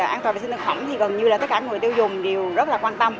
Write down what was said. an toàn vệ sinh thực phẩm thì gần như là tất cả người tiêu dùng đều rất là quan tâm